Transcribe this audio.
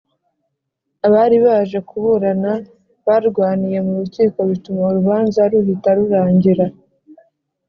Abaribaje kuburana barwaniye murukiko bituma urubanza ruhita rurangira